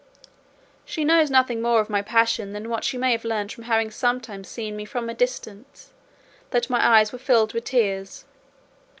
She knows nothing more of my passion than what she may have learned from having sometimes seen from a distance that my eyes were filled with tears.